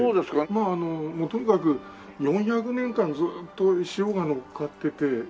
まあとにかく４００年間ずっと塩がのっかってて。